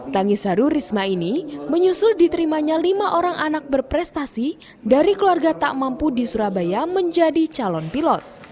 tangis haru risma ini menyusul diterimanya lima orang anak berprestasi dari keluarga tak mampu di surabaya menjadi calon pilot